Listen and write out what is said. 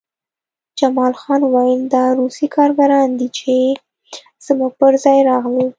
جمال خان وویل دا روسي کارګران دي چې زموږ پرځای راغلل